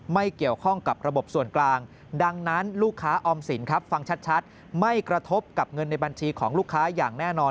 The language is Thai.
ไม่เกี่ยวข้องกับระบบส่วนกลางดังนั้นลูกค้าออมสินครับฟังชัดไม่กระทบกับเงินในบัญชีของลูกค้าอย่างแน่นอน